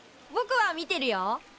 ぼくは見てるよ。